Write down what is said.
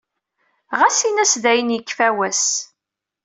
Ɣas in-as dayen yekfa wass.